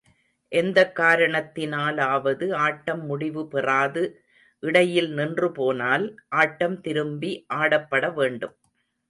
எந்தக் காரணத்தினாலாவது ஆட்டம் முடிவுபெறாது இடையிலே நின்றுபோனால், ஆட்டம் திரும்பி ஆடப்பட வேண்டும்.